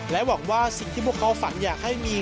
หวังว่าสิ่งที่พวกเขาฝันอยากให้มี